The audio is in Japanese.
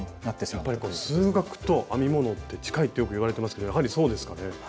やっぱり数学と編み物って近いってよくいわれてますけどやはりそうですかね？